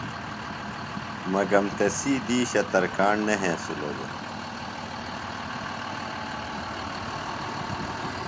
مگم تسی دِیشہ ترکاݨ نہ ہینسِلوۡ دےۡ۔